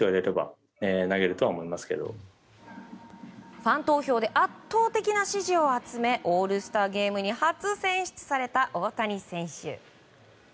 ファン投票で圧倒の支持を集めオールスターゲームに初選出された大谷選手。